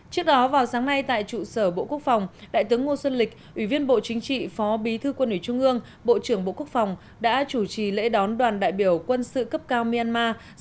trước đó vào sáng nay tại trụ sở bộ quốc phòng đại tướng ngô xuân lịch ủy viên bộ chính trị phó bí thư quân ủy trung ương bộ trưởng bộ quốc phòng đã chủ trì lễ đón đoàn đại biểu quân sự cấp cao myanmar